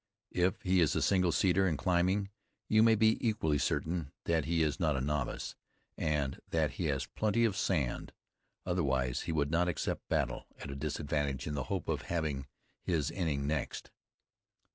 If he is a single seater and climbing, you may be equally certain that he is not a novice, and that he has plenty of sand. Otherwise he would not accept battle at a disadvantage in the hope of having his inning next.